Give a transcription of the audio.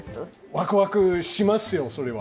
ワクワクしますよ、それは。